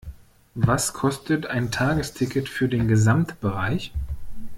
Was kostet ein Tagesticket für den Gesamtbereich?